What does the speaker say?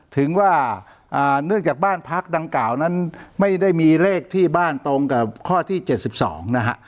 ถึงว่าเนื่องจากบ้านพักดังกล่าวนั้นไม่ได้มีเลขที่บ้านตรงกับข้อที่๗๒นะฮะ